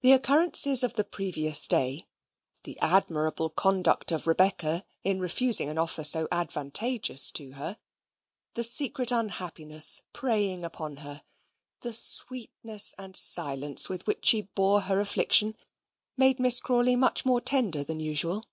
The occurrences of the previous day; the admirable conduct of Rebecca in refusing an offer so advantageous to her, the secret unhappiness preying upon her, the sweetness and silence with which she bore her affliction, made Miss Crawley much more tender than usual.